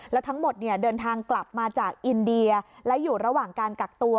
แล้วทั้งหมดเนี่ยเดินทางกลับมาจากอินเดียและอยู่ระหว่างการกักตัว